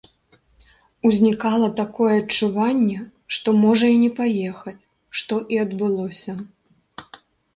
Узнікала такое адчуванне, што можа і не паехаць, што і адбылося.